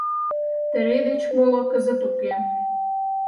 Терей деч моло кызыт уке.